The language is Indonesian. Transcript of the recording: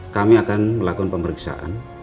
kami akan melakukan pemeriksaan